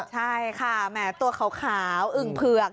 ใช่ค่ะแหมตัวขาวอึ่งเผือก